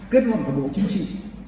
kết luận của đối chính trị